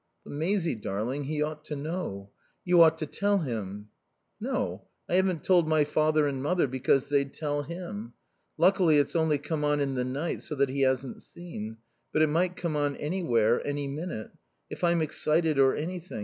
"But, Maisie darling, he ought to know. You ought to tell him." "No. I haven't told my father and mother because they'd tell him. Luckily it's only come on in the night, so that he hasn't seen. But it might come on anywhere, any minute. If I'm excited or anything